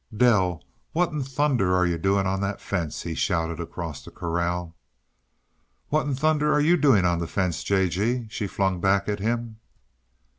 "Dell! What in thunder the YOU doing on that fence?" he shouted across the corral. "What in thunder are you doing on the fence, J. G.?" she flung back at him.